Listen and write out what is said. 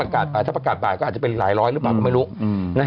ว่าหลังจากที่เกิดการแพร่ระบาดของโควิดเนี่ยระบาดไปทั่วประเทศเนี่ย